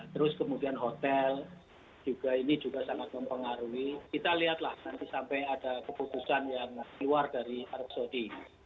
terus kemudian hotel juga ini juga sangat mempengaruhi kita lihatlah nanti sampai ada keputusan yang keluar dari arab saudi